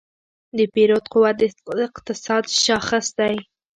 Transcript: د پیرود قوت د اقتصاد شاخص دی.